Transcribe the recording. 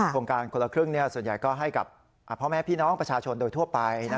โครงการคนละครึ่งส่วนใหญ่ก็ให้กับพ่อแม่พี่น้องประชาชนโดยทั่วไป